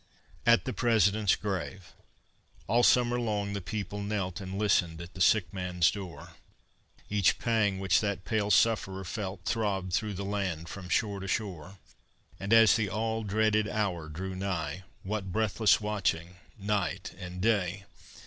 AT THE PRESIDENT'S GRAVE All summer long the people knelt And listened at the sick man's door: Each pang which that pale sufferer felt Throbbed through the land from shore to shore; And as the all dreaded hour drew nigh, What breathless watching, night and day!